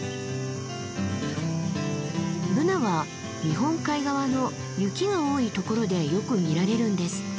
ブナは日本海側の雪が多いところでよく見られるんですって。